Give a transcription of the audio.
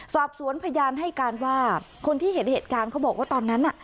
สอบสวนพยานให้การว่าคนที่เห็นเหตุการณ์เขาบอกว่าตอนนั้นน่ะ